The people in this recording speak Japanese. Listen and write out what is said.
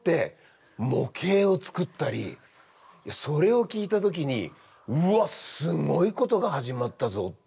それを聞いた時にうわすごいことが始まったぞっていう。